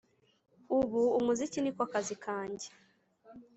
Ubu umuziki ni ko kazi kange,